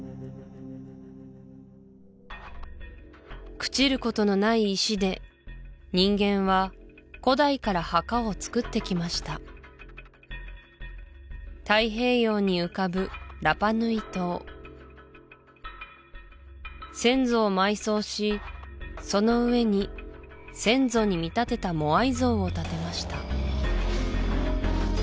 朽ちることのない石で人間は古代から墓をつくってきました太平洋に浮かぶラパ・ヌイ島先祖を埋葬しその上に先祖に見立てたモアイ像を建てました